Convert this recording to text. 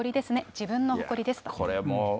自分の誇りですと。